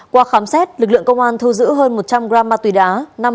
qua khám xét lực lượng công an thu giữ hơn một trăm linh gram ma túy đá